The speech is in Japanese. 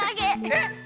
えっ？